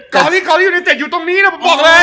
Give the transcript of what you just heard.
กรอลี่อยู่ในเจ็ดอยู่ตรงนี้นะบอกเลย